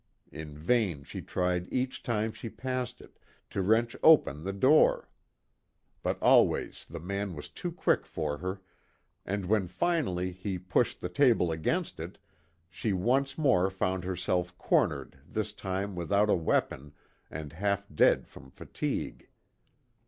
In vain she tried each time she passed it, to wrench open the door. But always the man was too quick for her, and when finally, he pushed the table against it, she once more found herself cornered this time without a weapon, and half dead from fatigue.